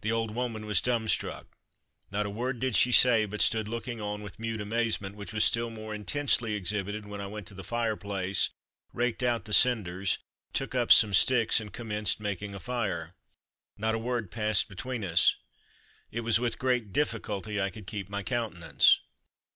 The old woman was dumb struck. Not a word did she say, but stood looking on with mute amazement, which was still more intensely exhibited when I went to the fire place, raked out the cinders, took up some sticks and commenced making a fire. Not a word passed between us. It was with great difficulty I could keep my countenance.